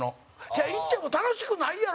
行っても楽しくないやろ？